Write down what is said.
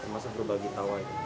masa berbagi tawa itu